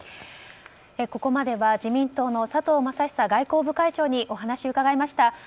ここまでは自民党の佐藤正久外交部会長にお話を伺いました。